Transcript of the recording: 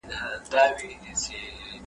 اعتياد ځوانان له منځه وړي.